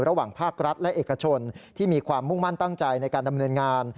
ภาครัฐและเอกชนที่มีความมุ่งมั่นตั้งใจในการดำเนินงาน